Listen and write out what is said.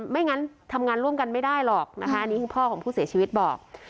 ไม่งั้นทำงานร่วมกันไม่ได้หรอกนะคะอันนี้คือพ่อของผู้เสียชีวิตบอก